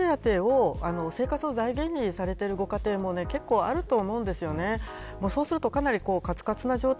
児童手当を生活の財源にされているご家庭も結構あると思うんです。